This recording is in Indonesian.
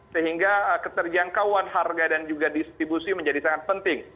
sehingga keterjangkauan harga dan juga distribusi menjadi sangat penting